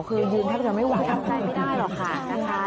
คือยืนถ้าไม่ไหวทำได้ไม่ได้หรอกค่ะ